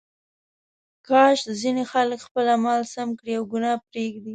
کاش ځینې خلک خپل اعمال سم کړي او ګناه پرېږدي.